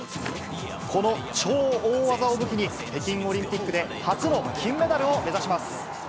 この超大技を武器に、北京オリンピックで、初の金メダルを目指します。